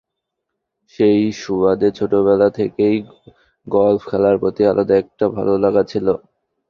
সেই সুবাদে ছোটবেলা থেকেই গলফ খেলার প্রতি আলাদা একটা ভালো লাগা ছিল।